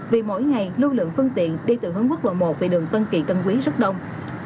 vì mỗi ngày lưu lượng phương tiện đi từ hướng quốc lộ một về đường tân kỳ tân quý rất đông